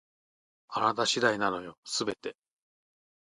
あなた次第なのよ、全て